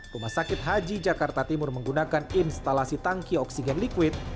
rumah sakit haji jakarta timur menggunakan instalasi tangki oksigen liquid